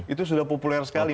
itu sudah populer sekali